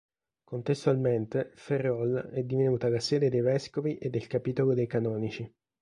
Contestualmente Ferrol è divenuta la sede dei vescovi e del capitolo dei canonici.